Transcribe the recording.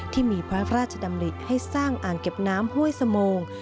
ที่มีพระราชดำริให้สร้างอ่างเก็บน้ำห้วยสมง